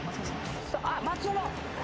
あっ松尾の。